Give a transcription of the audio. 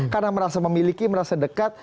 karena merasa memiliki merasa dekat